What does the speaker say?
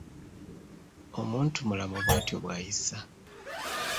Omuntumulamu bwatyo bw’ayisa.